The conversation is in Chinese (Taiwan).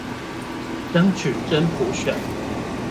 爭取真普選